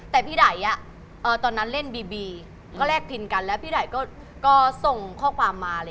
แต่พี่ไดตอนนั้นเล่นบีบีก็แลกพินกันแล้วพี่ไดก็ส่งข้อความมา